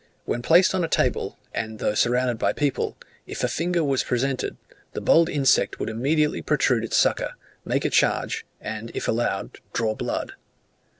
When placed on a table, and though surrounded by people, if a finger was presented, the bold insect would immediately protrude its sucker, make a charge, and if allowed, draw blood.